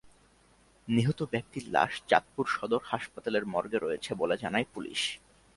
নিহত ব্যক্তির লাশ চাঁদপুর সদর হাসপাতালের মর্গে রয়েছে বলে জানায় পুলিশ।